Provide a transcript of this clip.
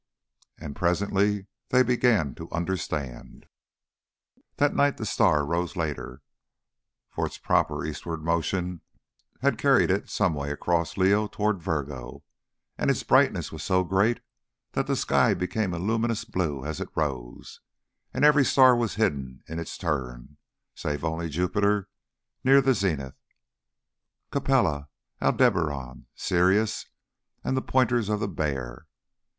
And presently they began to understand. That night the star rose later, for its proper eastward motion had carried it some way across Leo towards Virgo, and its brightness was so great that the sky became a luminous blue as it rose, and every star was hidden in its turn, save only Jupiter near the zenith, Capella, Aldebaran, Sirius and the pointers of the Bear.